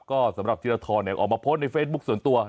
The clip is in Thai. ก็สำหรับธีรทรออกมาโพสต์ในเฟซบุ๊คส่วนตัว